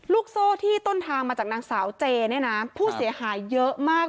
โซ่ที่ต้นทางมาจากนางสาวเจเนี่ยนะผู้เสียหายเยอะมาก